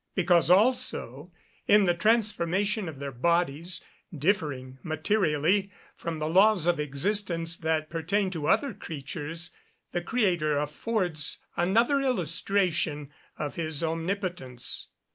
Because, also, in the transformation of their bodies, differing materially from the laws of existence that pertain to other creatures, the Creator affords another illustration of his Omnipotence.